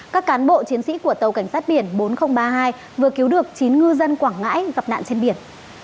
các cán bộ chiến sĩ của tàu cảnh sát biển bốn nghìn ba mươi hai vừa cứu được chín ngư dân quảng ngãi gặp nạn trên biển